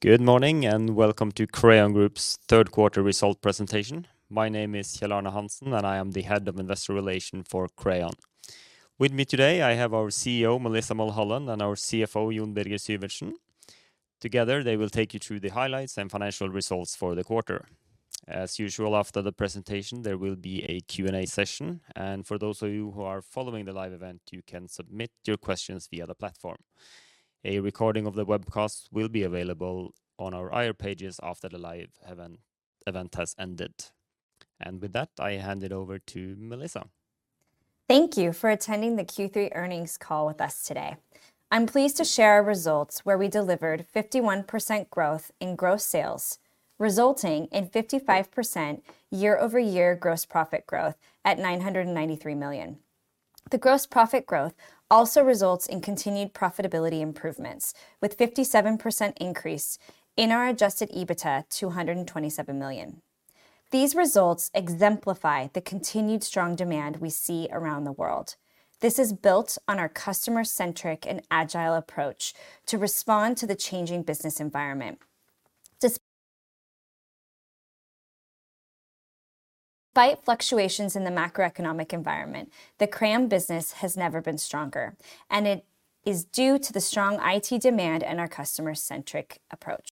Good morning and welcome to Crayon Group's third quarter result presentation. My name is Kjell-Arne Hansen, and I am the Head of Investor Relations for Crayon. With me today, I have our CEO, Melissa Mulholland, and our CFO, Jon Birger Syvertsen. Together, they will take you through the highlights and financial results for the quarter. As usual, after the presentation, there will be a Q&A session. For those of you who are following the live event, you can submit your questions via the platform. A recording of the webcast will be available on our IR pages after the live event has ended. With that, I hand it over to Melissa. Thank you for attending the Q3 earnings call with us today. I'm pleased to share our results where we delivered 51% growth in gross sales, resulting in 55% year-over-year gross profit growth at 993 million. The gross profit growth also results in continued profitability improvements, with 57% increase in our adjusted EBITDA to 127 million. These results exemplify the continued strong demand we see around the world. This is built on our customer-centric and agile approach to respond to the changing business environment. Despite fluctuations in the macroeconomic environment, the Crayon business has never been stronger, and it is due to the strong IT demand and our customer-centric approach.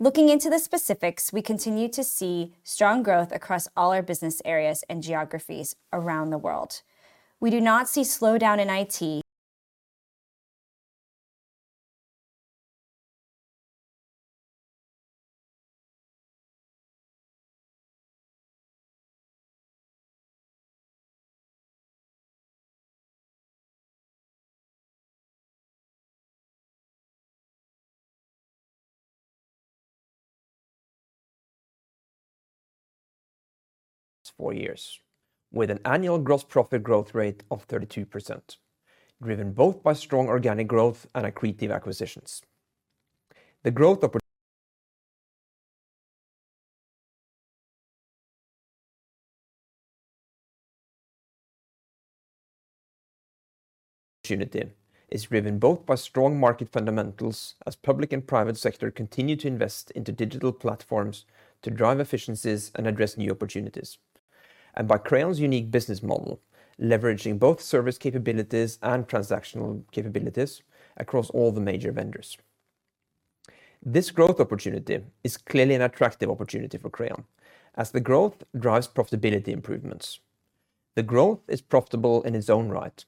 Looking into the specifics, we continue to see strong growth across all our business areas and geographies around the world. We do not see slowdown in IT- Four years, with an annual gross profit growth rate of 32%, driven both by strong organic growth and accretive acquisitions. The growth opportunity is driven both by strong market fundamentals as public and private sector continue to invest into digital platforms to drive efficiencies and address new opportunities, and by Crayon's unique business model, leveraging both service capabilities and transactional capabilities across all the major vendors. This growth opportunity is clearly an attractive opportunity for Crayon as the growth drives profitability improvements. The growth is profitable in its own right,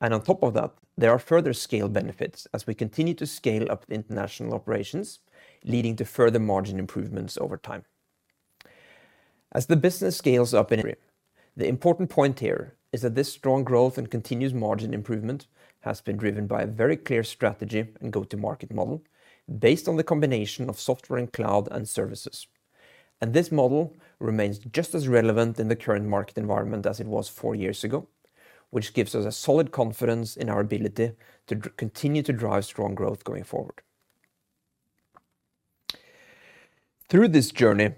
and on top of that, there are further scale benefits as we continue to scale up the international operations, leading to further margin improvements over time. As the business scales up in area, the important point here is that this strong growth and continuous margin improvement has been driven by a very clear strategy and go-to-market model based on the combination of software and cloud and services. This model remains just as relevant in the current market environment as it was four years ago, which gives us a solid confidence in our ability to continue to drive strong growth going forward. Through this journey,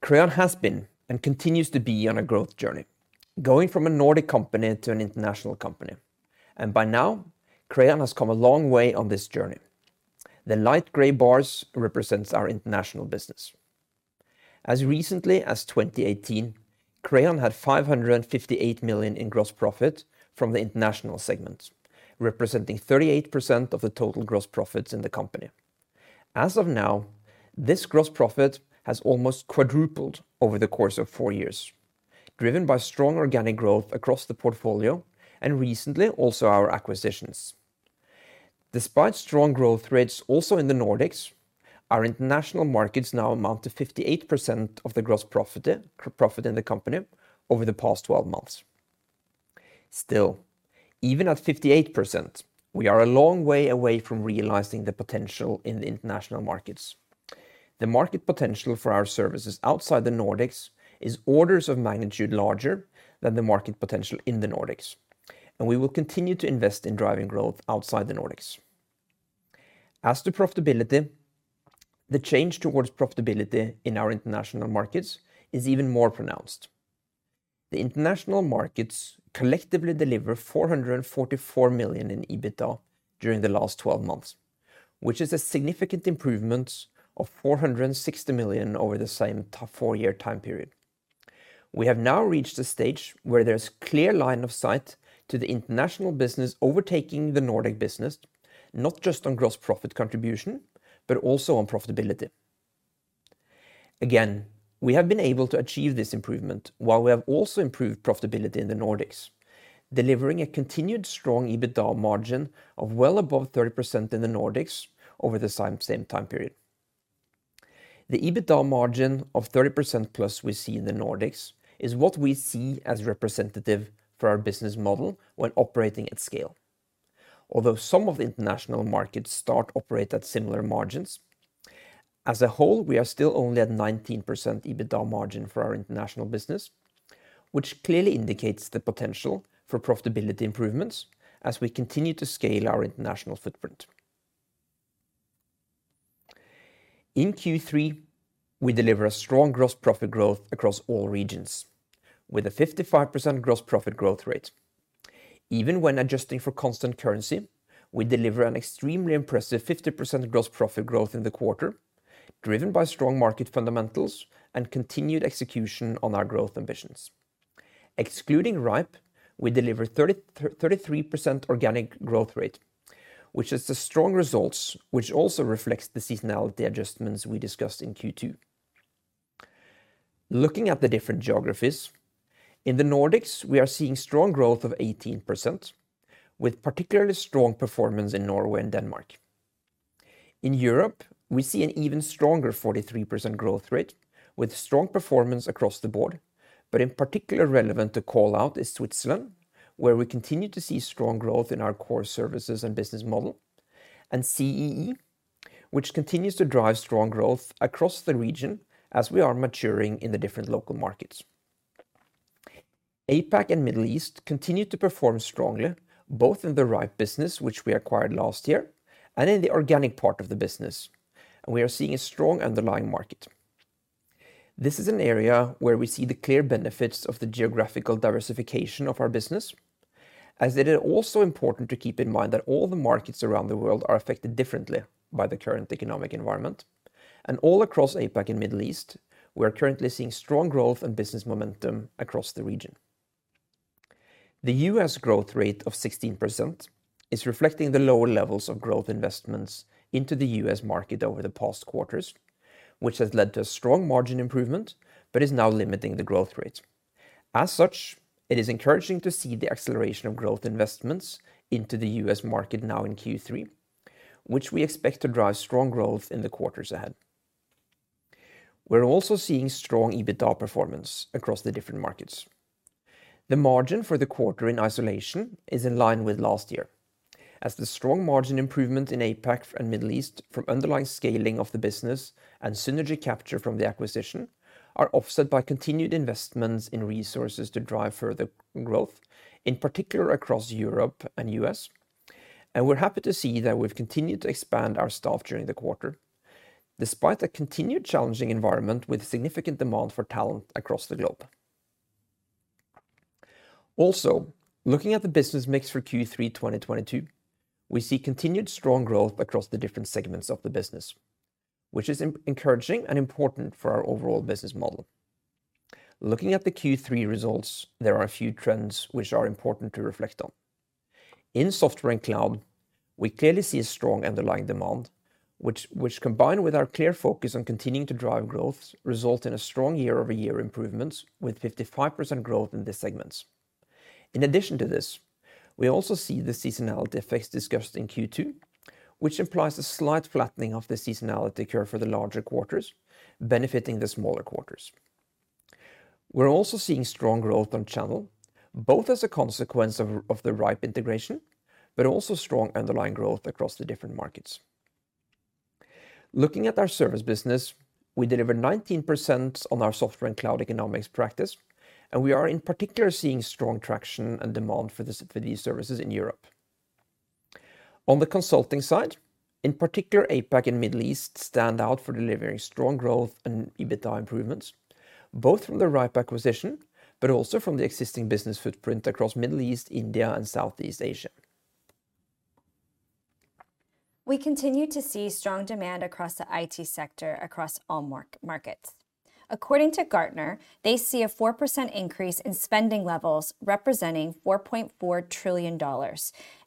Crayon has been and continues to be on a growth journey, going from a Nordic company to an international company. By now, Crayon has come a long way on this journey. The light gray bars represents our international business. As recently as 2018, Crayon had 558 million in gross profit from the international segment, representing 38% of the total gross profits in the company. As of now, this gross profit has almost quadrupled over the course of four years, driven by strong organic growth across the portfolio and recently, also our acquisitions. Despite strong growth rates also in the Nordics, our international markets now amount to 58% of the gross profit in the company over the past 12 months. Still, even at 58%, we are a long way away from realizing the potential in the international markets. The market potential for our services outside the Nordics is orders of magnitude larger than the market potential in the Nordics, and we will continue to invest in driving growth outside the Nordics. As to profitability, the change towards profitability in our international markets is even more pronounced. The international markets collectively deliver 444 million in EBITDA during the last 12 months, which is a significant improvement of 460 million over the same four-year time period. We have now reached a stage where there's clear line of sight to the international business overtaking the Nordic business, not just on gross profit contribution, but also on profitability. Again, we have been able to achieve this improvement while we have also improved profitability in the Nordics, delivering a continued strong EBITDA margin of well above 30% in the Nordics over the same time period. The EBITDA margin of 30%+ we see in the Nordics is what we see as representative for our business model when operating at scale. Although some of the international markets start to operate at similar margins, as a whole, we are still only at 19% EBITDA margin for our international business, which clearly indicates the potential for profitability improvements as we continue to scale our international footprint. In Q3, we deliver a strong gross profit growth across all regions with a 55% gross profit growth rate. Even when adjusting for constant currency, we deliver an extremely impressive 50% gross profit growth in the quarter, driven by strong market fundamentals and continued execution on our growth ambitions. Excluding rhipe, we deliver 33% organic growth rate, which is the strong results, which also reflects the seasonality adjustments we discussed in Q2. Looking at the different geographies, in the Nordics, we are seeing strong growth of 18%, with particularly strong performance in Norway and Denmark. In Europe, we see an even stronger 43% growth rate with strong performance across the board. In particular relevant to call out is Switzerland, where we continue to see strong growth in our core services and business model, and CEE, which continues to drive strong growth across the region as we are maturing in the different local markets. APAC and Middle East continue to perform strongly, both in the rhipe business which we acquired last year, and in the organic part of the business. We are seeing a strong underlying market. This is an area where we see the clear benefits of the geographical diversification of our business, as it is also important to keep in mind that all the markets around the world are affected differently by the current economic environment. All across APAC and Middle East, we are currently seeing strong growth and business momentum across the region. The U.S. growth rate of 16% is reflecting the lower levels of growth investments into the U.S. market over the past quarters, which has led to a strong margin improvement but is now limiting the growth rate. As such, it is encouraging to see the acceleration of growth investments into the U.S. market now in Q3, which we expect to drive strong growth in the quarters ahead. We're also seeing strong EBITDA performance across the different markets. The margin for the quarter in isolation is in line with last year, as the strong margin improvement in APAC and Middle East from underlying scaling of the business and synergy capture from the acquisition are offset by continued investments in resources to drive further growth, in particular across Europe and U.S. We're happy to see that we've continued to expand our staff during the quarter, despite a continued challenging environment with significant demand for talent across the globe. Also, looking at the business mix for Q3 2022, we see continued strong growth across the different segments of the business, which is encouraging and important for our overall business model. Looking at the Q3 results, there are a few trends which are important to reflect on. In software and cloud, we clearly see a strong underlying demand, which combined with our clear focus on continuing to drive growth, result in a strong year-over-year improvement with 55% growth in these segments. In addition to this, we also see the seasonality effects discussed in Q2, which implies a slight flattening of the seasonality curve for the larger quarters, benefiting the smaller quarters. We're also seeing strong growth on channel, both as a consequence of the rhipe integration, but also strong underlying growth across the different markets. Looking at our service business, we deliver 19% on our software and cloud economics practice, and we are in particular seeing strong traction and demand for these services in Europe. On the consulting side, in particular, APAC and Middle East stand out for delivering strong growth and EBITDA improvements, both from the rhipe acquisition but also from the existing business footprint across Middle East, India, and Southeast Asia. We continue to see strong demand across the IT sector across all markets. According to Gartner, they see a 4% increase in spending levels representing $4.4 trillion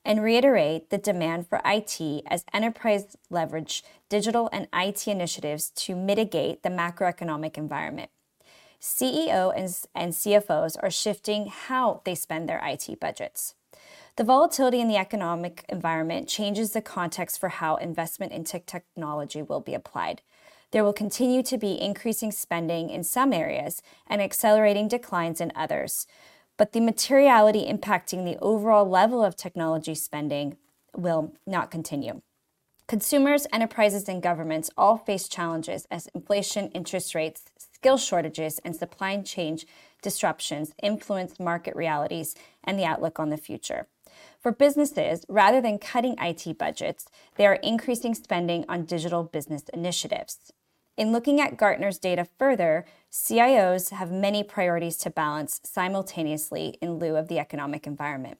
and reiterate the demand for IT as enterprises leverage digital and IT initiatives to mitigate the macroeconomic environment. CEOs and CFOs are shifting how they spend their IT budgets. The volatility in the economic environment changes the context for how investment in technology will be applied. There will continue to be increasing spending in some areas and accelerating declines in others, but the materiality impacting the overall level of technology spending will not continue. Consumers, enterprises, and governments all face challenges as inflation, interest rates, skill shortages, and supply chain disruptions influence market realities and the outlook on the future. For businesses, rather than cutting IT budgets, they are increasing spending on digital business initiatives. In looking at Gartner's data further, CIOs have many priorities to balance simultaneously in lieu of the economic environment.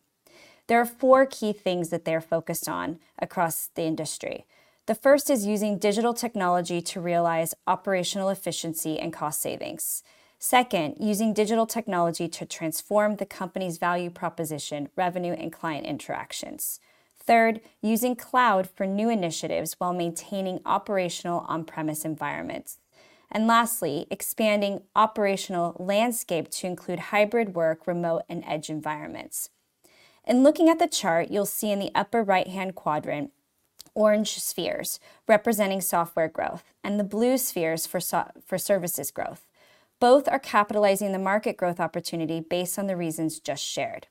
There are four key things that they are focused on across the industry. The first is using digital technology to realize operational efficiency and cost savings. Second, using digital technology to transform the company's value proposition, revenue, and client interactions. Third, using cloud for new initiatives while maintaining operational on-premise environments. Lastly, expanding operational landscape to include hybrid work, remote, and edge environments. In looking at the chart, you'll see in the upper right-hand quadrant orange spheres representing software growth and the blue spheres for services growth. Both are capitalizing the market growth opportunity based on the reasons just shared.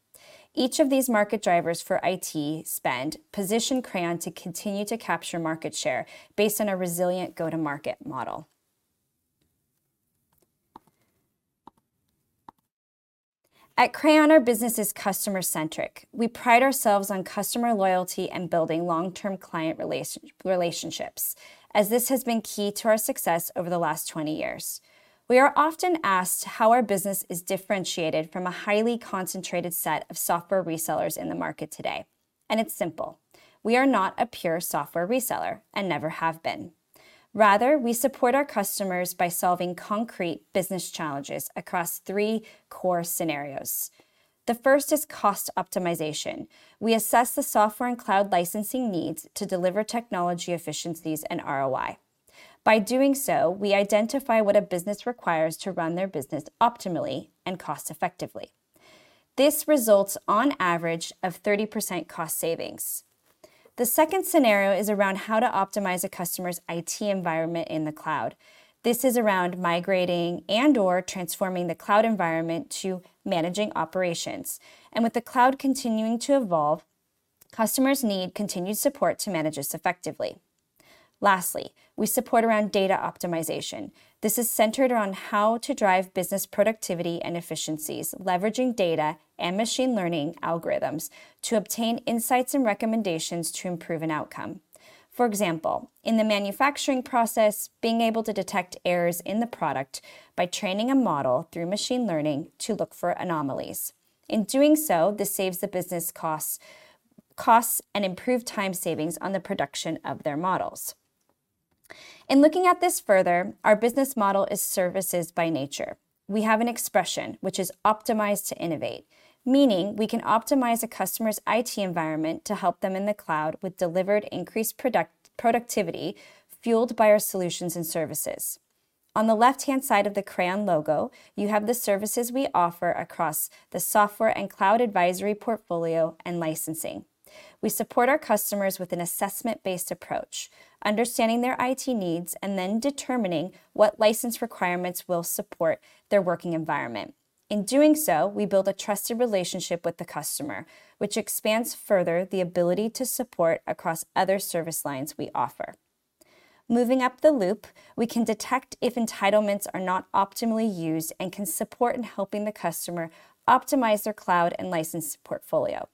Each of these market drivers for IT spend position Crayon to continue to capture market share based on a resilient go-to-market model. At Crayon, our business is customer centric. We pride ourselves on customer loyalty and building long-term client relationships, as this has been key to our success over the last 20 years. We are often asked how our business is differentiated from a highly concentrated set of software resellers in the market today. It's simple. We are not a pure software reseller and never have been. Rather, we support our customers by solving concrete business challenges across three core scenarios. The first is cost optimization. We assess the software and cloud licensing needs to deliver technology efficiencies and ROI. By doing so, we identify what a business requires to run their business optimally and cost effectively. This results on average of 30% cost savings. The second scenario is around how to optimize a customer's IT environment in the cloud. This is around migrating and/or transforming the cloud environment to managing operations. With the cloud continuing to evolve, customers need continued support to manage this effectively. Lastly, we support around data optimization. This is centered around how to drive business productivity and efficiencies, leveraging data and machine learning algorithms to obtain insights and recommendations to improve an outcome. For example, in the manufacturing process, being able to detect errors in the product by training a model through machine learning to look for anomalies. In doing so, this saves the business costs and improve time savings on the production of their models. In looking at this further, our business model is services by nature. We have an expression which is "optimize to innovate," meaning we can optimize a customer's IT environment to help them in the cloud with delivered increased productivity, fueled by our solutions and services. On the left-hand side of the Crayon logo, you have the services we offer across the software and cloud advisory portfolio and licensing. We support our customers with an assessment-based approach, understanding their IT needs and then determining what license requirements will support their working environment. In doing so, we build a trusted relationship with the customer, which expands further the ability to support across other service lines we offer. Moving up the loop, we can detect if entitlements are not optimally used and can support in helping the customer optimize their cloud and license portfolio.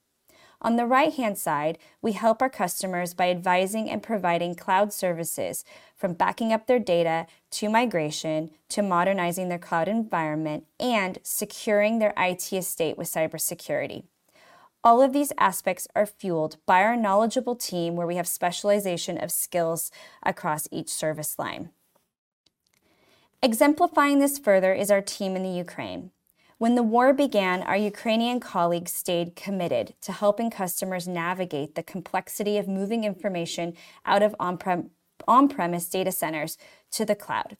On the right-hand side, we help our customers by advising and providing cloud services from backing up their data, to migration, to modernizing their cloud environment, and securing their IT estate with cybersecurity. All of these aspects are fueled by our knowledgeable team, where we have specialization of skills across each service line. Exemplifying this further is our team in the Ukraine. When the war began, our Ukrainian colleagues stayed committed to helping customers navigate the complexity of moving information out of on-prem, on-premise data centers to the cloud,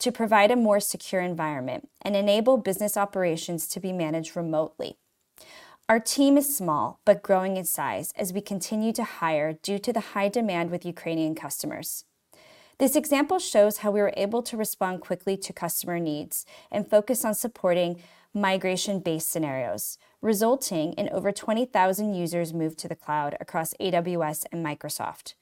to provide a more secure environment and enable business operations to be managed remotely. Our team is small, but growing in size as we continue to hire due to the high demand with Ukrainian customers. This example shows how we were able to respond quickly to customer needs and focus on supporting migration-based scenarios, resulting in over 20,000 users moved to the cloud across AWS and Microsoft.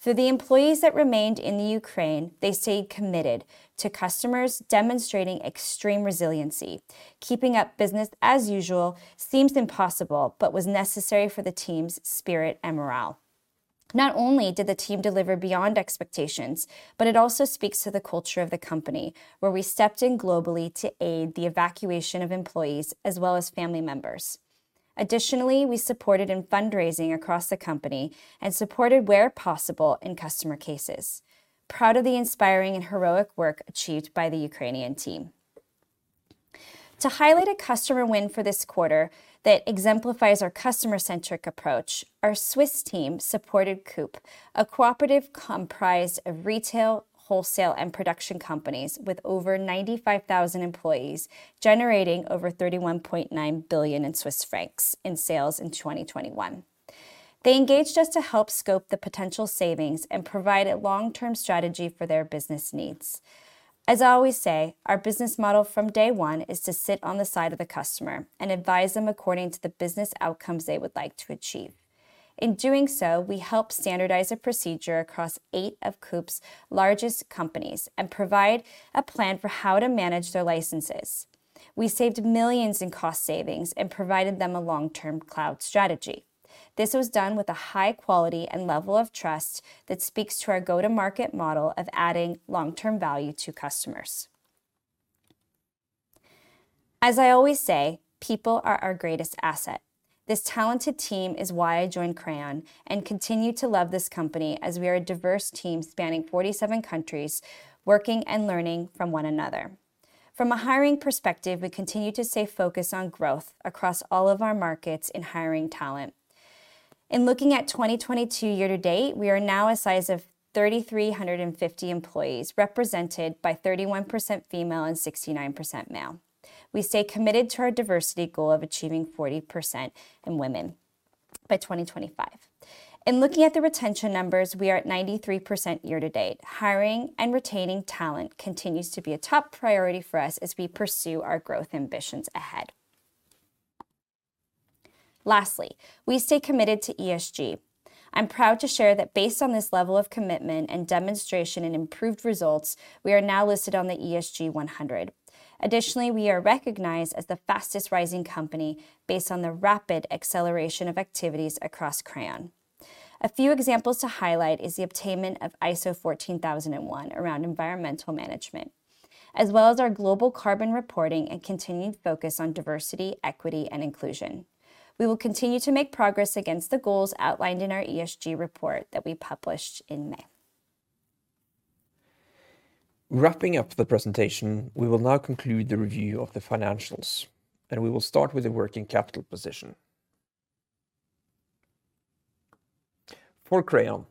Through the employees that remained in the Ukraine, they stayed committed to customers demonstrating extreme resiliency. Keeping up business as usual seems impossible, but was necessary for the team's spirit and morale. Not only did the team deliver beyond expectations, but it also speaks to the culture of the company, where we stepped in globally to aid the evacuation of employees as well as family members. Additionally, we supported in fundraising across the company and supported where possible in customer cases. Proud of the inspiring and heroic work achieved by the Ukrainian team. To highlight a customer win for this quarter that exemplifies our customer-centric approach, our Swiss team supported Coop, a cooperative comprised of retail, wholesale, and production companies with over 95,000 employees generating over 31.9 billion in sales in 2021. They engaged us to help scope the potential savings and provide a long-term strategy for their business needs. As I always say, our business model from day one is to sit on the side of the customer and advise them according to the business outcomes they would like to achieve. In doing so, we help standardize a procedure across eight of Coop's largest companies and provide a plan for how to manage their licenses. We saved millions in cost savings and provided them a long-term cloud strategy. This was done with a high quality and level of trust that speaks to our go-to-market model of adding long-term value to customers. As I always say, people are our greatest asset. This talented team is why I joined Crayon and continue to love this company as we are a diverse team spanning 47 countries, working and learning from one another. From a hiring perspective, we continue to stay focused on growth across all of our markets in hiring talent. In looking at 2022 year to date, we are now a size of 3,350 employees, represented by 31% female and 69% male. We stay committed to our diversity goal of achieving 40% in women by 2025. In looking at the retention numbers, we are at 93% year to date. Hiring and retaining talent continues to be a top priority for us as we pursue our growth ambitions ahead. Lastly, we stay committed to ESG. I'm proud to share that based on this level of commitment and demonstration in improved results, we are now listed on the ESG100. Additionally, we are recognized as the fastest rising company based on the rapid acceleration of activities across Crayon. A few examples to highlight is the obtainment of ISO 14001 around environmental management, as well as our global carbon reporting and continued focus on diversity, equity, and inclusion. We will continue to make progress against the goals outlined in our ESG report that we published in May. Wrapping up the presentation, we will now conclude the review of the financials, and we will start with the working capital position. For Crayon,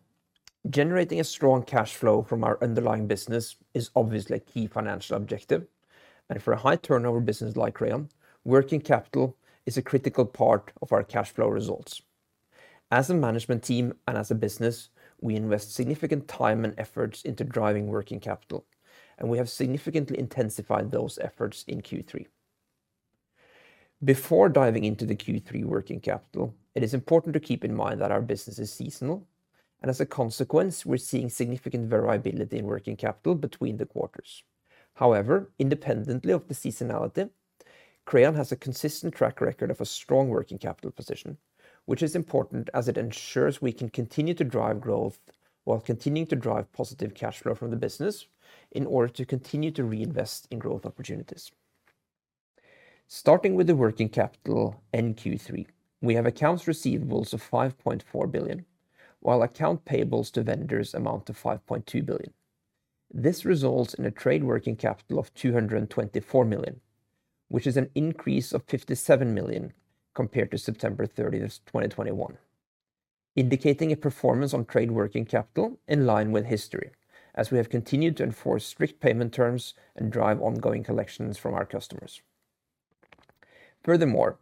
generating a strong cash flow from our underlying business is obviously a key financial objective, and for a high turnover business like Crayon, working capital is a critical part of our cash flow results. As a management team and as a business, we invest significant time and efforts into driving working capital, and we have significantly intensified those efforts in Q3. Before diving into the Q3 working capital, it is important to keep in mind that our business is seasonal, and as a consequence, we're seeing significant variability in working capital between the quarters. However, independently of the seasonality, Crayon has a consistent track record of a strong working capital position, which is important as it ensures we can continue to drive growth while continuing to drive positive cash flow from the business in order to continue to reinvest in growth opportunities. Starting with the working capital in Q3, we have accounts receivable of 5.4 billion, while accounts payable to vendors amount to 5.2 billion. This results in a trade working capital of 224 million, which is an increase of 57 million compared to September 30th, 2021, indicating a performance on trade working capital in line with history as we have continued to enforce strict payment terms and drive ongoing collections from our customers. Furthermore,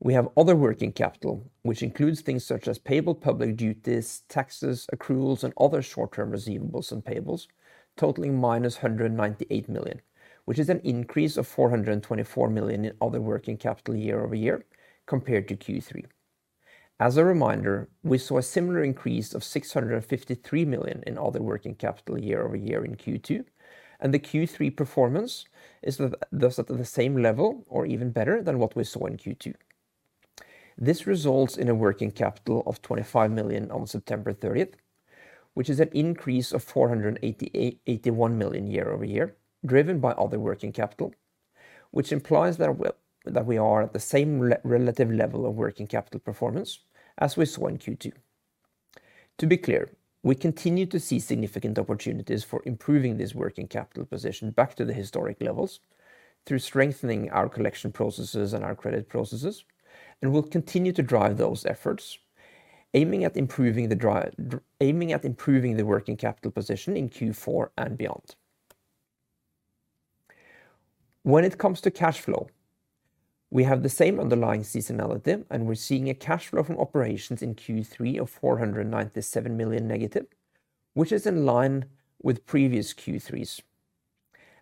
we have other working capital, which includes things such as payable public duties, taxes, accruals, and other short-term receivables and payables totaling -198 million, which is an increase of 424 million in other working capital year-over-year compared to Q3. As a reminder, we saw a similar increase of 653 million in other working capital year-over-year in Q2, and the Q3 performance is thus at the same level or even better than what we saw in Q2. This results in a working capital of 25 million on September 30th, which is an increase of 481 million year-over-year, driven by other working capital, which implies that well, that we are at the same relative level of working capital performance as we saw in Q2. To be clear, we continue to see significant opportunities for improving this working capital position back to the historic levels through strengthening our collection processes and our credit processes, and we'll continue to drive those efforts, aiming at improving the working capital position in Q4 and beyond. When it comes to cash flow, we have the same underlying seasonality, and we're seeing a cash flow from operations in Q3 of -497 million, which is in line with previous Q3s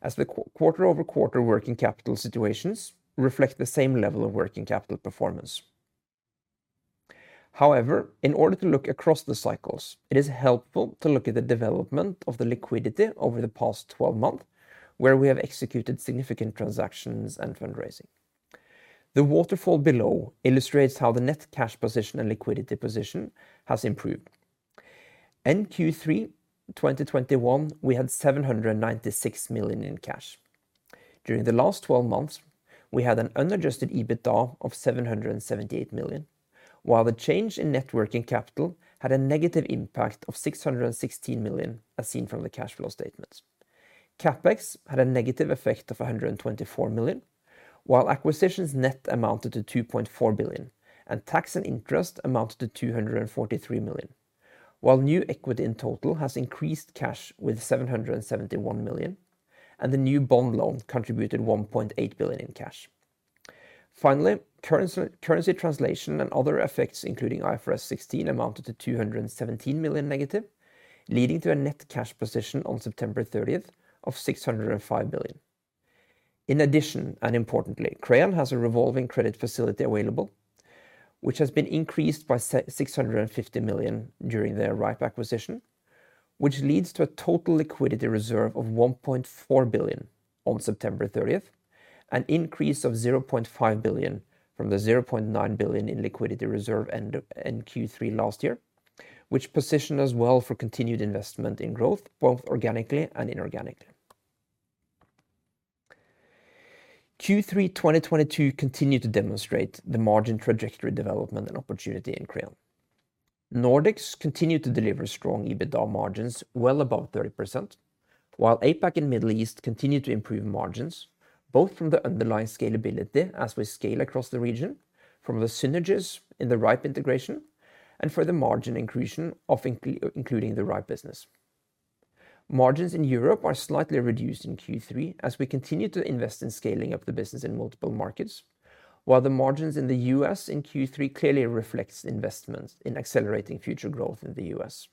as the quarter-over-quarter working capital situations reflect the same level of working capital performance. However, in order to look across the cycles, it is helpful to look at the development of the liquidity over the past 12 months where we have executed significant transactions and fundraising. The waterfall below illustrates how the net cash position and liquidity position has improved. In Q3 2021, we had 796 million in cash. During the last 12 months, we had an unadjusted EBITDA of 778 million, while the change in net working capital had a negative impact of 616 million as seen from the cash flow statements. CapEx had a negative effect of 124 million, while acquisitions net amounted to 2.4 billion and tax and interest amounted to 243 million. While new equity in total has increased cash with 771 million, and the new bond loan contributed 1.8 billion in cash. Finally, currency translation and other effects, including IFRS 16, amounted to 217 million negative, leading to a net cash position on September 30th of 605 billion. In addition, and importantly, Crayon has a revolving credit facility available, which has been increased by 650 million during the Rhipe acquisition, which leads to a total liquidity reserve of 1.4 billion on September 30th, an increase of 0.5 billion from the 0.9 billion in liquidity reserve in Q3 last year, which positioned us well for continued investment in growth, both organically and inorganically. Q3 2022 continued to demonstrate the margin trajectory development and opportunity in Crayon. Nordics continued to deliver strong EBITDA margins well above 30%, while APAC and Middle East continued to improve margins both from the underlying scalability as we scale across the region from the synergies in the Rhipe integration and for the margin inclusion of including the rhipe business. Margins in Europe are slightly reduced in Q3 as we continue to invest in scaling up the business in multiple markets, while the margins in the U.S. in Q3 clearly reflects investment in accelerating future growth in the U.S.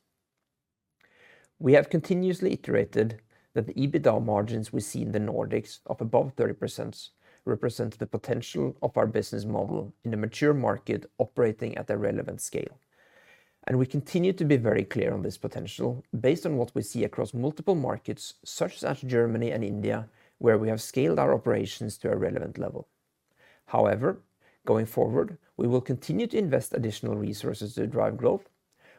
We have continuously iterated that the EBITDA margins we see in the Nordics of above 30% represent the potential of our business model in a mature market operating at a relevant scale. We continue to be very clear on this potential based on what we see across multiple markets such as Germany and India, where we have scaled our operations to a relevant level. However, going forward, we will continue to invest additional resources to drive growth,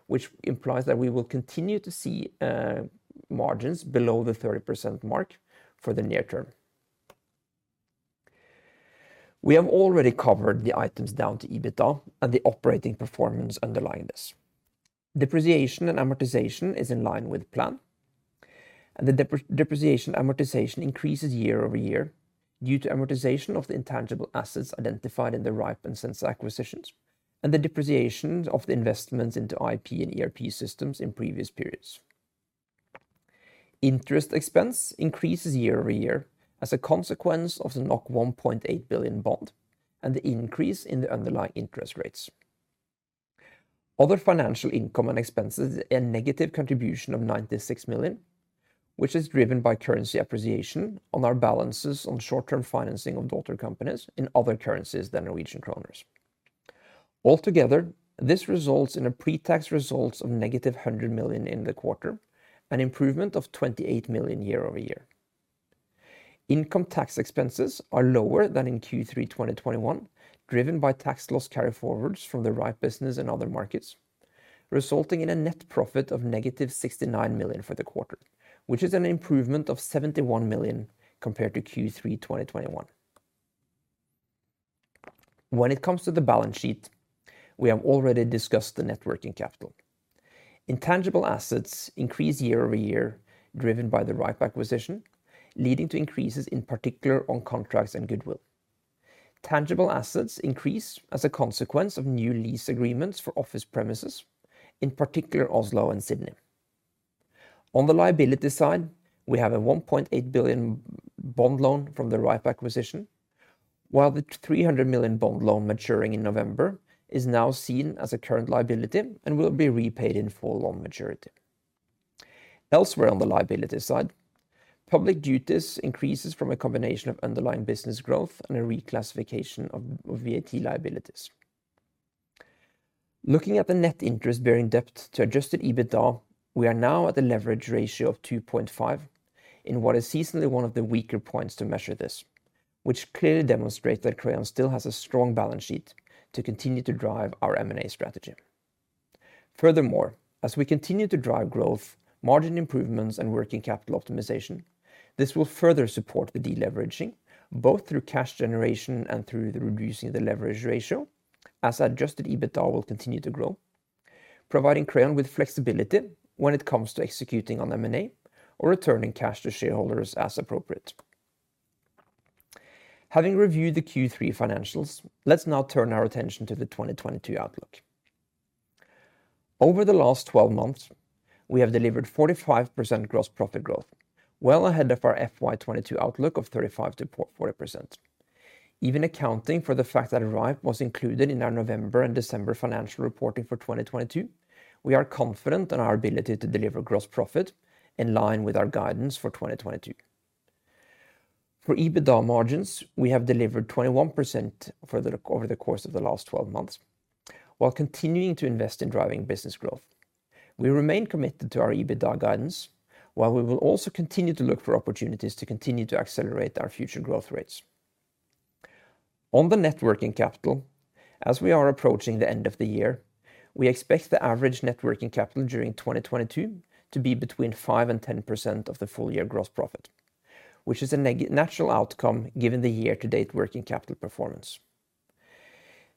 which implies that we will continue to see margins below the 30% mark for the near term. We have already covered the items down to EBITDA and the operating performance underlying this. Depreciation and amortization is in line with plan, and the depreciation and amortization increases year-over-year due to amortization of the intangible assets identified in the rhipe and Sensa acquisitions and the depreciation of the investments into IP and ERP systems in previous periods. Interest expense increases year-over-year as a consequence of the 1.8 billion bond and the increase in the underlying interest rates. Other financial income and expenses, a negative contribution of 96 million, which is driven by currency appreciation on our balances on short-term financing of daughter companies in other currencies than Norwegian kroners. Altogether, this results in a pre-tax results of -100 million in the quarter, an improvement of 28 million year-over-year. Income tax expenses are lower than in Q3 2021, driven by tax loss carryforwards from the rhipe business in other markets, resulting in a net profit of -69 million for the quarter, which is an improvement of 71 million compared to Q3 2021. When it comes to the balance sheet, we have already discussed the net working capital. Intangible assets increase year-over-year, driven by the rhipe acquisition, leading to increases in particular on contracts and goodwill. Tangible assets increase as a consequence of new lease agreements for office premises, in particular Oslo and Sydney. On the liability side, we have a 1.8 billion bond loan from the rhipe acquisition, while the 300 million bond loan maturing in November is now seen as a current liability and will be repaid in full on maturity. Elsewhere on the liability side, payables increases from a combination of underlying business growth and a reclassification of VAT liabilities. Looking at the net interest-bearing debt to adjusted EBITDA, we are now at a leverage ratio of 2.5 in what is seasonally one of the weaker points to measure this, which clearly demonstrates that Crayon still has a strong balance sheet to continue to drive our M&A strategy. Furthermore, as we continue to drive growth, margin improvements, and working capital optimization, this will further support the deleveraging, both through cash generation and through the reducing of the leverage ratio as adjusted EBITDA will continue to grow, providing Crayon with flexibility when it comes to executing on M&A or returning cash to shareholders as appropriate. Having reviewed the Q3 financials, let's now turn our attention to the 2022 outlook. Over the last 12 months, we have delivered 45% gross profit growth, well ahead of our FY 2022 outlook of 35%-40%. Even accounting for the fact that rhipe was included in our November and December financial reporting for 2022, we are confident in our ability to deliver gross profit in line with our guidance for 2022. For EBITDA margins, we have delivered 21% over the course of the last 12 months while continuing to invest in driving business growth. We remain committed to our EBITDA guidance, while we will also continue to look for opportunities to continue to accelerate our future growth rates. On the net working capital, as we are approaching the end of the year, we expect the average net working capital during 2022 to be between 5% and 10% of the full year gross profit, which is a natural outcome given the year-to-date working capital performance.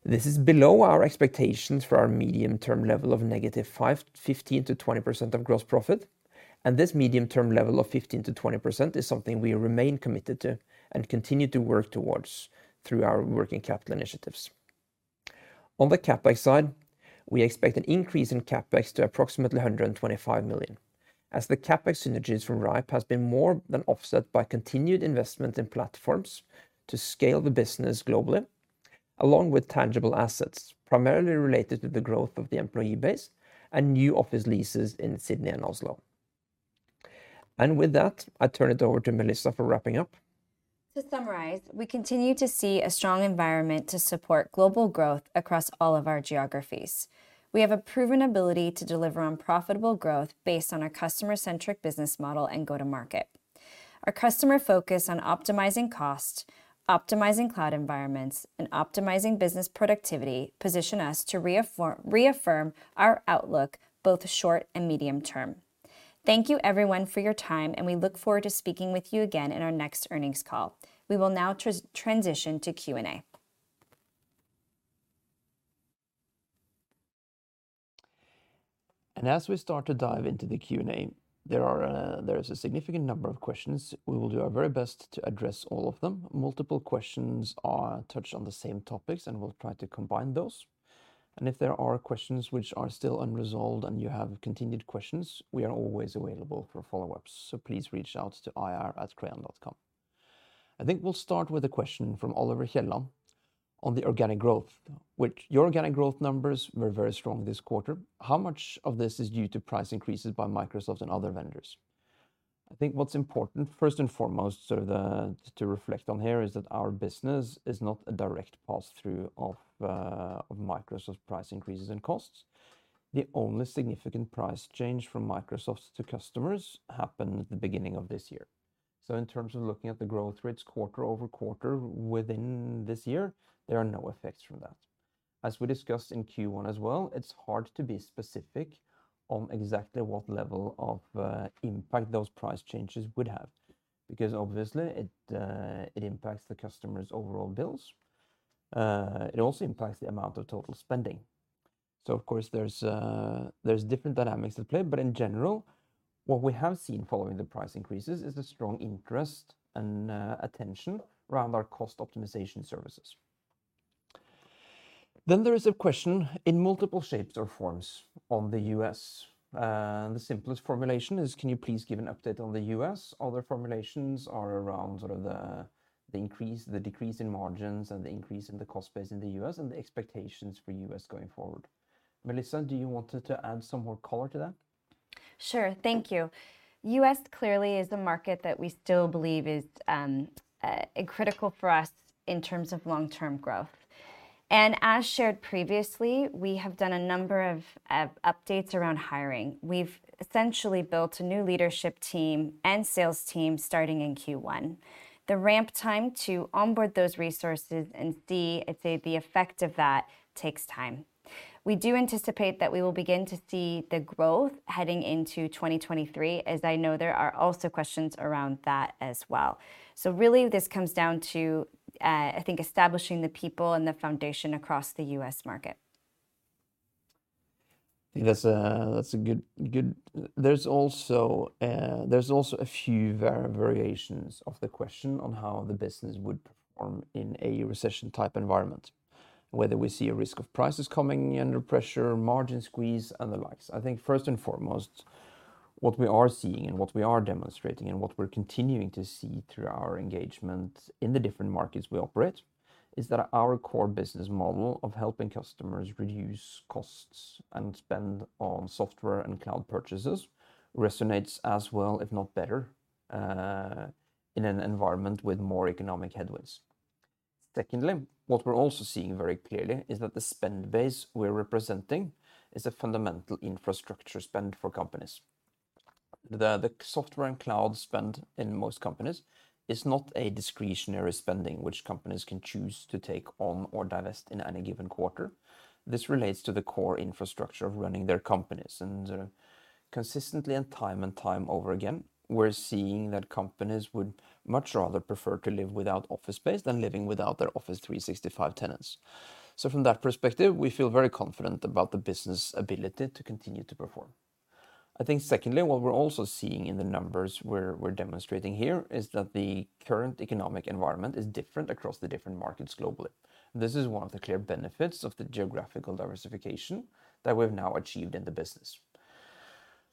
This is below our expectations for our medium-term level of negative 15%-20% of gross profit, and this medium-term level of 15%-20% is something we remain committed to and continue to work towards through our working capital initiatives. On the CapEx side, we expect an increase in CapEx to approximately 125 million, as the CapEx synergies from rhipe has been more than offset by continued investment in platforms to scale the business globally, along with tangible assets, primarily related to the growth of the employee base and new office leases in Sydney and Oslo. With that, I turn it over to Melissa for wrapping up. To summarize, we continue to see a strong environment to support global growth across all of our geographies. We have a proven ability to deliver on profitable growth based on our customer-centric business model and go-to-market. Our customer focus on optimizing cost, optimizing cloud environments, and optimizing business productivity position us to reaffirm our outlook both short and medium term. Thank you everyone for your time, and we look forward to speaking with you again in our next earnings call. We will now transition to Q&A. As we start to dive into the Q&A, there is a significant number of questions. We will do our very best to address all of them. Multiple questions are touched on the same topics, and we'll try to combine those. If there are questions which are still unresolved and you have continued questions, we are always available for follow-ups. Please reach out to ir@crayon.com. I think we'll start with a question from Oliver Kjellén on the organic growth. While your organic growth numbers were very strong this quarter. How much of this is due to price increases by Microsoft and other vendors? I think what's important, first and foremost, to reflect on here, is that our business is not a direct pass-through of Microsoft's price increases in costs. The only significant price change from Microsoft to customers happened at the beginning of this year. In terms of looking at the growth rates quarter-over-quarter within this year, there are no effects from that. As we discussed in Q1 as well, it's hard to be specific on exactly what level of impact those price changes would have, because obviously it impacts the customer's overall bills. It also impacts the amount of total spending. Of course there's different dynamics at play. In general, what we have seen following the price increases is a strong interest and attention around our cost optimization services. There is a question in multiple shapes or forms on the U.S. The simplest formulation is can you please give an update on the U.S.? Other formulations are around sort of the increase, the decrease in margins and the increase in the cost base in the U.S. and the expectations for U.S. going forward. Melissa, do you want to add some more color to that? Sure. Thank you. The U.S. clearly is a market that we still believe is critical for us in terms of long-term growth. As shared previously, we have done a number of updates around hiring. We've essentially built a new leadership team and sales team starting in Q1. The ramp time to onboard those resources and see, I'd say, the effect of that takes time. We do anticipate that we will begin to see the growth heading into 2023, as I know there are also questions around that as well. This really comes down to, I think, establishing the people and the foundation across the U.S. market. I think that's a good. There's also a few variations of the question on how the business would perform in a recession-type environment, whether we see a risk of prices coming under pressure, margin squeeze and the likes. I think first and foremost, what we are seeing and what we are demonstrating and what we're continuing to see through our engagement in the different markets we operate, is that our core business model of helping customers reduce costs and spend on software and cloud purchases resonates as well, if not better, in an environment with more economic headwinds. Secondly, what we're also seeing very clearly is that the spend base we're representing is a fundamental infrastructure spend for companies. The software and cloud spend in most companies is not a discretionary spending which companies can choose to take on or divest in any given quarter. This relates to the core infrastructure of running their companies. Consistently, time and time again, we're seeing that companies would much rather prefer to live without office space than living without their Office 365 tenants. From that perspective, we feel very confident about the business ability to continue to perform. I think secondly, what we're also seeing in the numbers we're demonstrating here is that the current economic environment is different across the different markets globally. This is one of the clear benefits of the geographical diversification that we've now achieved in the business.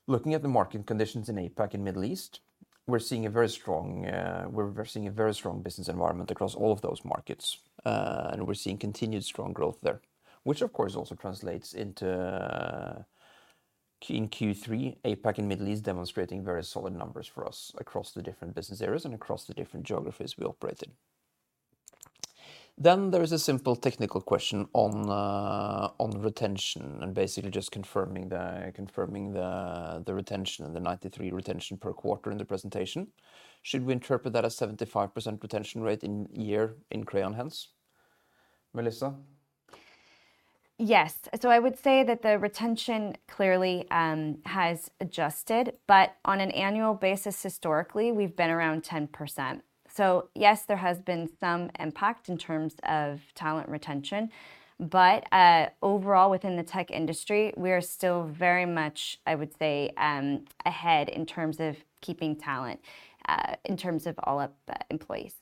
Looking at the market conditions in APAC and Middle East, we're seeing a very strong business environment across all of those markets. We're seeing continued strong growth there, which of course also translates into in Q3, APAC and Middle East demonstrating very solid numbers for us across the different business areas and across the different geographies we operate in. There is a simple technical question on retention and basically just confirming the retention and the 93% retention per quarter in the presentation. Should we interpret that as 75% retention rate annually in Crayon, hence? Melissa? Yes. I would say that the retention clearly has adjusted, but on an annual basis, historically, we've been around 10%. Yes, there has been some impact in terms of talent retention. But overall within the tech industry, we are still very much, I would say, ahead in terms of keeping talent in terms of all of the employees.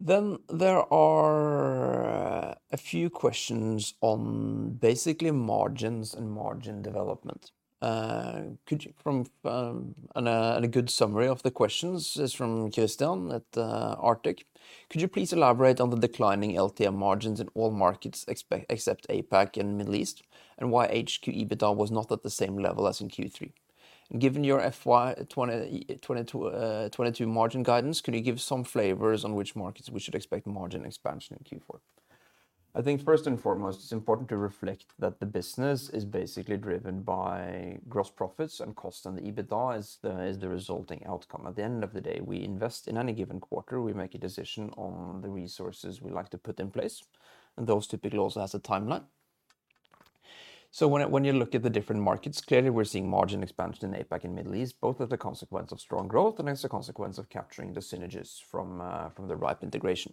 Yeah. There are a few questions on basically margins and margin development. A good summary of the questions is from Kirsten at Arctic Securities. Could you please elaborate on the declining LTM margins in all markets except APAC and Middle East, and why HQ EBITDA was not at the same level as in Q3? Given your FY 2022 margin guidance, could you give some flavors on which markets we should expect margin expansion in Q4? I think first and foremost, it's important to reflect that the business is basically driven by gross profits and cost, and the EBITDA is the resulting outcome. At the end of the day, we invest in any given quarter. We make a decision on the resources we like to put in place, and those typically also has a timeline. When you look at the different markets, clearly we're seeing margin expansion in APAC and Middle East, both as a consequence of strong growth and as a consequence of capturing the synergies from the rhipe integration.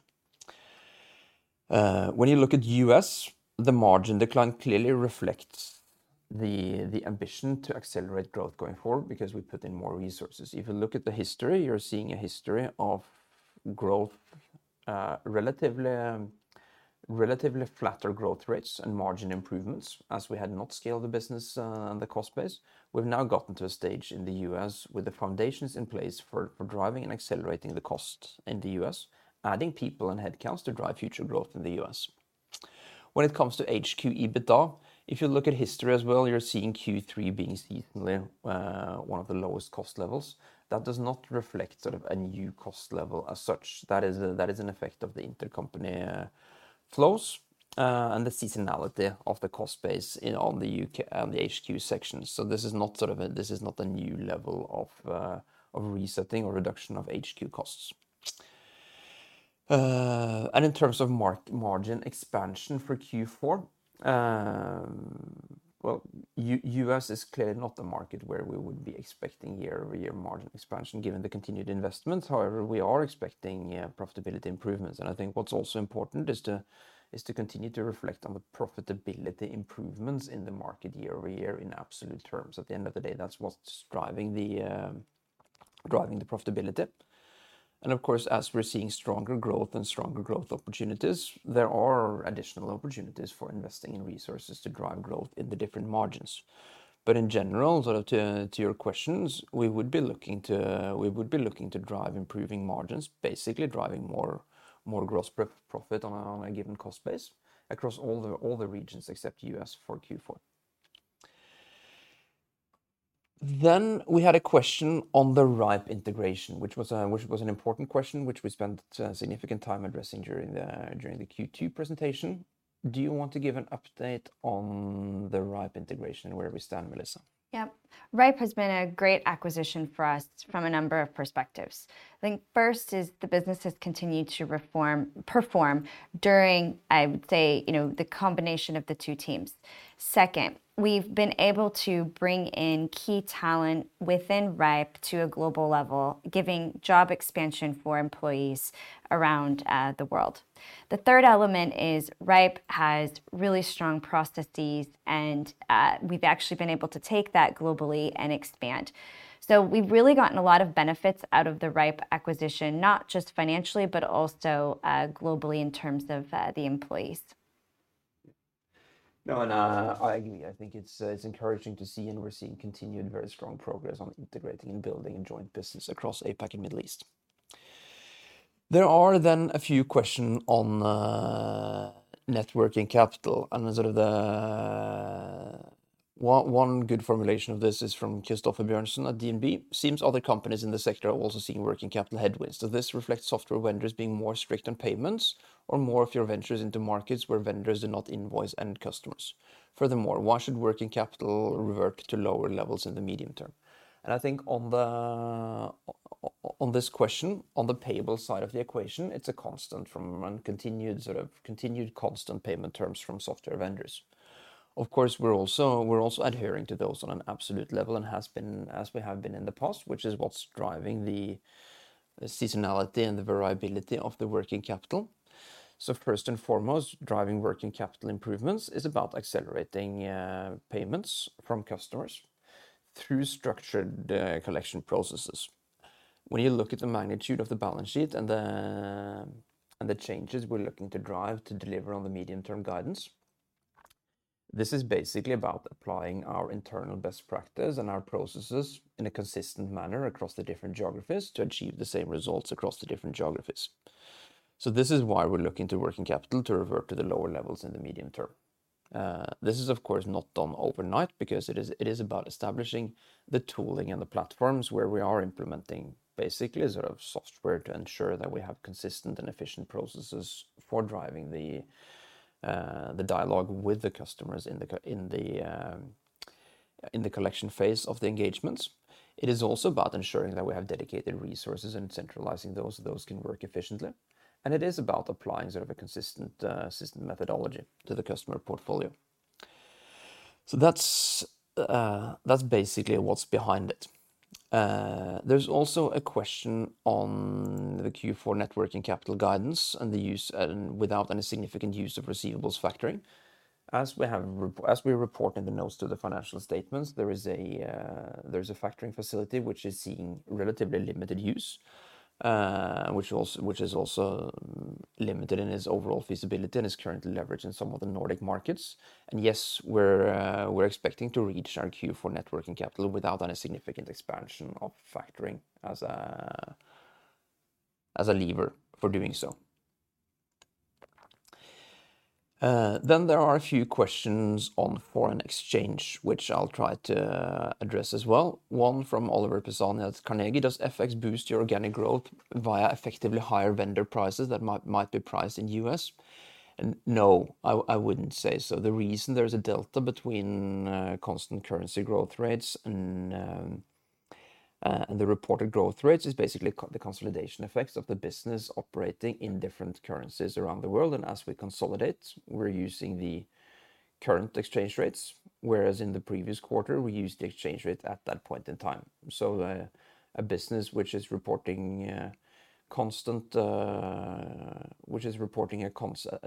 When you look at U.S., the margin decline clearly reflects the ambition to accelerate growth going forward because we put in more resources. If you look at the history, you're seeing a history of growth, relatively flatter growth rates and margin improvements as we had not scaled the business, and the cost base. We've now gotten to a stage in the U.S. with the foundations in place for driving and accelerating growth in the U.S., adding people and headcounts to drive future growth in the US. When it comes to HQ EBITDA, if you look at history as well, you're seeing Q3 being seasonally one of the lowest cost levels. That does not reflect sort of a new cost level as such. That is an effect of the intercompany flows and the seasonality of the cost base in the HQ section. This is not a new level of resetting or reduction of HQ costs. In terms of margin expansion for Q4, well, U.S. is clearly not the market where we would be expecting year-over-year margin expansion given the continued investment. However, we are expecting profitability improvements. I think what's also important is to continue to reflect on the profitability improvements in the market year-over-year in absolute terms. At the end of the day, that's what's driving the profitability. Of course, as we're seeing stronger growth opportunities, there are additional opportunities for investing in resources to drive growth in the different margins. In general, sort of to your questions, we would be looking to drive improving margins, basically driving more gross profit on a given cost base across all the regions except U.S. for Q4. We had a question on the rhipe integration, which was an important question, which we spent significant time addressing during the Q2 presentation. Do you want to give an update on the rhipe integration and where we stand, Melissa? Yeah. Rhipe has been a great acquisition for us from a number of perspectives. I think first is the business has continued to perform during, I would say, you know, the combination of the two teams. Second, we've been able to bring in key talent within rhipe to a global level, giving job expansion for employees around the world. The third element is rhipe has really strong processes, and we've actually been able to take that globally and expand. We've really gotten a lot of benefits out of the rhipe acquisition, not just financially, but also globally in terms of the employees. No, I think it's encouraging to see and we're seeing continued very strong progress on integrating and building a joint business across APAC and Middle East. There are a few questions on working capital and sort of the one good formulation of this is from Christoffer Wang Bjørnsen at DNB Markets. Seems other companies in this sector are also seeing working capital headwinds. Does this reflect software vendors being more strict on payments or more of your ventures into markets where vendors do not invoice end customers? Furthermore, why should working capital revert to lower levels in the medium term? I think on this question, on the payable side of the equation, it's a constant and continued sort of constant payment terms from software vendors. Of course, we're also adhering to those on an absolute level as we have been in the past, which is what's driving the seasonality and the variability of the working capital. First and foremost, driving working capital improvements is about accelerating payments from customers through structured collection processes. When you look at the magnitude of the balance sheet and the changes we're looking to drive to deliver on the medium-term guidance, this is basically about applying our internal best practice and our processes in a consistent manner across the different geographies to achieve the same results across the different geographies. This is why we're looking to working capital to revert to the lower levels in the medium term. This is of course not done overnight because it is about establishing the tooling and the platforms where we are implementing basically a sort of software to ensure that we have consistent and efficient processes for driving the dialogue with the customers in the collection phase of the engagements. It is also about ensuring that we have dedicated resources and centralizing those can work efficiently. It is about applying sort of a consistent system methodology to the customer portfolio. That's basically what's behind it. There's also a question on the Q4 working capital guidance and without any significant use of receivables factoring. As we report in the notes to the financial statements, there is a factoring facility which is seeing relatively limited use, which is also limited in its overall feasibility and is currently leveraged in some of the Nordic markets. Yes, we're expecting to reach our Q4 net working capital without any significant expansion of factoring as a lever for doing so. There are a few questions on foreign exchange, which I'll try to address as well. One from Oliver Pisani at Carnegie. Does FX boost your organic growth via effectively higher vendor prices that might be priced in U.S.? No, I wouldn't say so. The reason there is a delta between constant currency growth rates and the reported growth rates is basically the consolidation effects of the business operating in different currencies around the world. As we consolidate, we're using the current exchange rates, whereas in the previous quarter, we used the exchange rate at that point in time. A business which is reporting a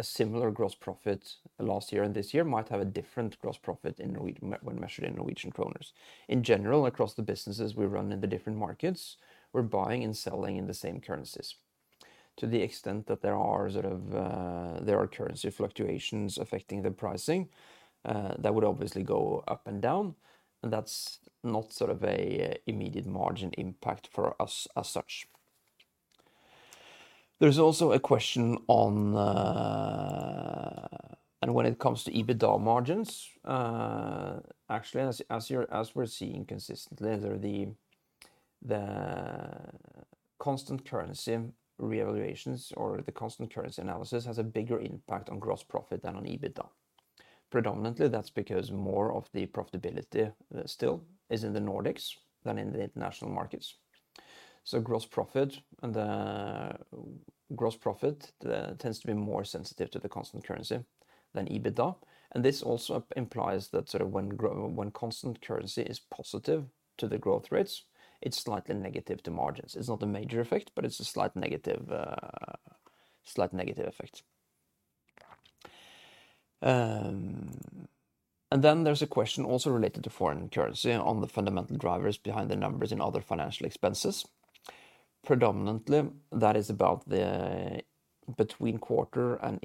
similar gross profit last year and this year might have a different gross profit when measured in Norwegian kroners. In general, across the businesses we run in the different markets, we're buying and selling in the same currencies. To the extent that there are sort of currency fluctuations affecting the pricing, that would obviously go up and down, and that's not sort of an immediate margin impact for us as such. There's also a question on. When it comes to EBITDA margins, actually, as we're seeing consistently, the constant currency reevaluations or the constant currency analysis has a bigger impact on gross profit than on EBITDA. Predominantly, that's because more of the profitability still is in the Nordics than in the international markets. Gross profit tends to be more sensitive to the constant currency than EBITDA. This also implies that sort of when constant currency is positive to the growth rates, it's slightly negative to margins. It's not a major effect, but it's a slight negative effect. Then there's a question also related to foreign currency on the fundamental drivers behind the numbers and other financial expenses. Predominantly, that is about the between quarter and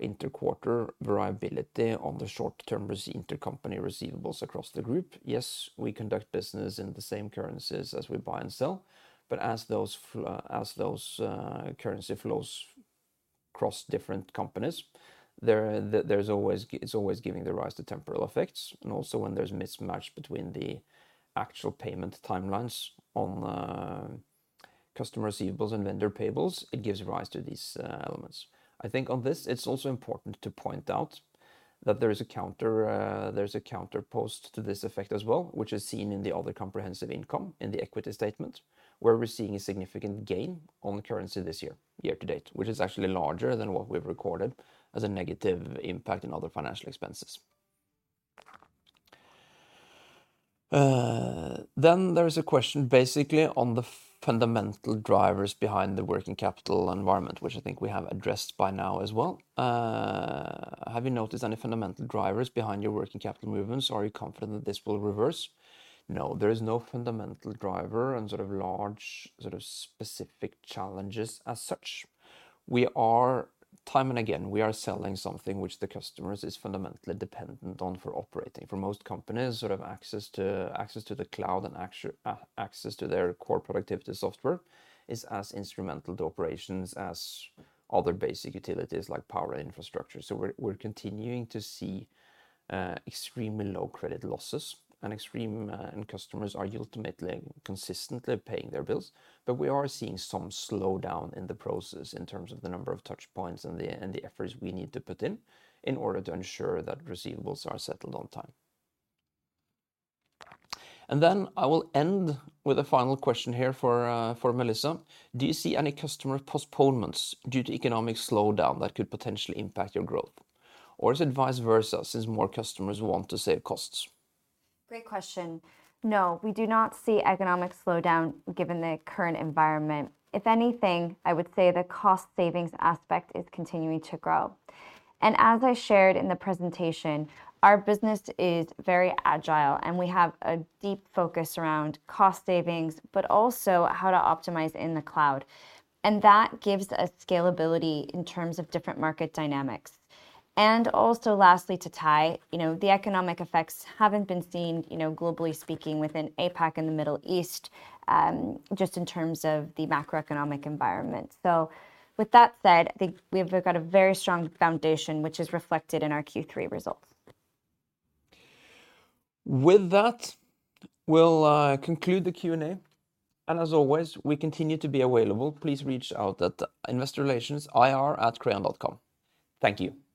interquarter variability on the short-term intercompany receivables across the group. Yes, we conduct business in the same currencies as we buy and sell, but as those currency flows cross different companies, there's always it's always giving rise to temporal effects, and also when there's mismatch between the actual payment timelines on the customer receivables and vendor payables, it gives rise to these elements. I think on this it's also important to point out that there is a counter post to this effect as well, which is seen in the other comprehensive income in the equity statement, where we're seeing a significant gain on currency this year to date, which is actually larger than what we've recorded as a negative impact in other financial expenses. There is a question basically on the fundamental drivers behind the working capital environment, which I think we have addressed by now as well. Have you noticed any fundamental drivers behind your working capital movements? Are you confident that this will reverse? No, there is no fundamental driver and sort of large, sort of specific challenges as such. Time and again, we are selling something which the customers is fundamentally dependent on for operating. For most companies, sort of access to the cloud and access to their core productivity software is as instrumental to operations as other basic utilities like power infrastructure. We're continuing to see extremely low credit losses and customers are ultimately consistently paying their bills. But we are seeing some slowdown in the process in terms of the number of touch points and the efforts we need to put in in order to ensure that receivables are settled on time. Then I will end with a final question here for Melissa. Do you see any customer postponements due to economic slowdown that could potentially impact your growth? Or is it vice versa, since more customers want to save costs? Great question. No, we do not see economic slowdown given the current environment. If anything, I would say the cost savings aspect is continuing to grow. As I shared in the presentation, our business is very agile, and we have a deep focus around cost savings, but also how to optimize in the cloud. That gives us scalability in terms of different market dynamics. Also lastly, to tie, you know, the economic effects haven't been seen, you know, globally speaking, within APAC and the Middle East, just in terms of the macroeconomic environment. With that said, I think we've got a very strong foundation, which is reflected in our Q3 results. With that, we'll conclude the Q&A. As always, we continue to be available. Please reach out at Investor Relations ir@crayon.com. Thank you.